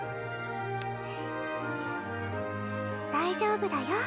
大丈夫だよ